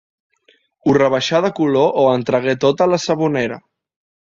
Ho rebaixà de color o en tragué tota la sabonera.